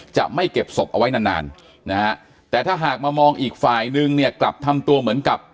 จะไม่เก็บศพเอาไว้นานนานนะฮะแต่ถ้าหากมามองอีกฝ่ายนึงเนี่ยกลับทำตัวเหมือนกับ